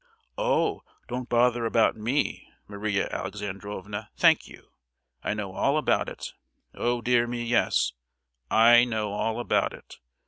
"Oh, don't bother about me, Maria Alexandrovna, thank you! I know all about it—oh, dear me, yes!—I know all about it!"